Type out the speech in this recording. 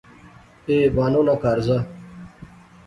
اے بانو نا کہر زا